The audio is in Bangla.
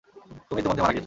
তুমি ইতিমধ্যে মারা গিয়েছ।